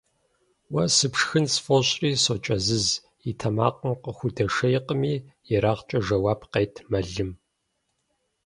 – Уэ сыпшхын сфӀощӀри сокӀэзыз – и тэмакъым къыхудэшейкъыми ерагъкӀэ жэуап къет Мэлым.